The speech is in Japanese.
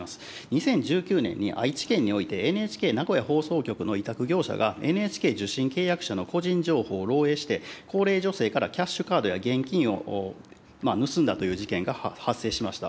２０１９年に愛知県においてＮＨＫ名古屋放送局の委託業者が、ＮＨＫ受信契約者の個人情報を漏えいして、高齢女性からキャッシュカードや現金を盗んだという事件が発生しました。